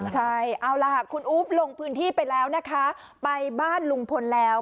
ใช่เอาล่ะคุณอุ๊บลงพื้นที่ไปแล้วนะคะไปบ้านลุงพลแล้ว